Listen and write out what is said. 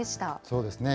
そうですね。